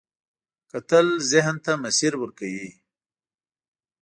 کتل ذهن ته مسیر ورکوي